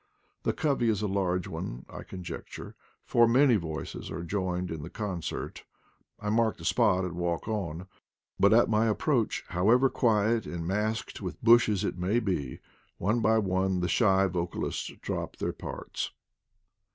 The covey is a large one^ I conjecture, for many voices are joined in the concert. I mark the spot and walk on; but at my approach, however quiet and masked with bushes it may be, one by one the shy vocalists drop their parts.